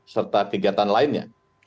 serta kegiatan lainnya